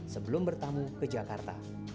sebelum bertamu ke jakarta